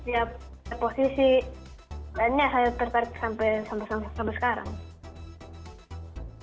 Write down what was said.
ya posisi lainnya saya tertarik sampai sekarang